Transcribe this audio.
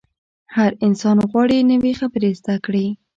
هر انسان غواړي نوې خبرې زده کړي.